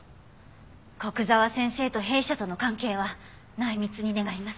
古久沢先生と弊社との関係は内密に願います。